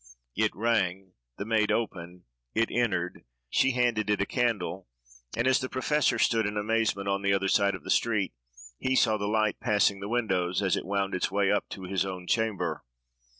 It rang, the maid opened, it entered, she handed it a candle, and, as the professor stood in amazement, on the other side of the street, he saw the light passing the windows, as it wound its way up to his own chamber.